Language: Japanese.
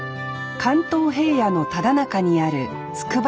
関東平野のただなかにある筑波山。